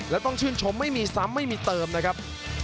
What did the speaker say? แล้วต้องชื่นชมไม่มีซ้ำไม่มีเติมนะครับ